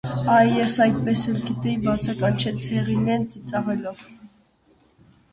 - Այ, ես այդպես էլ գիտեի,- բացականչեց Հեղինեն ծիծաղելով: